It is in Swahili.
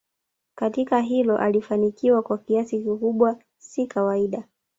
katika hilo alifanikiwa kwa kiasi kikubwa si kawaida